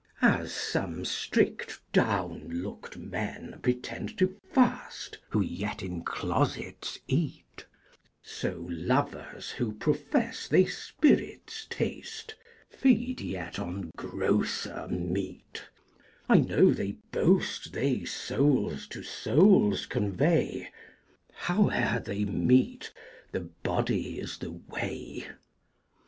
As some strict down looked men pretend to fast, Who yet in closets eat; So lovers who profess they spririts taste, Feed yet on grosser meat; I know they boast they souls to souls convey, Howe'r they meet, the body is the way.